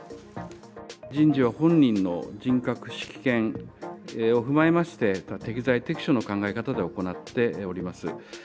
人事は本人の人格、識見を踏まえまして、適材適所の考え方で行っております。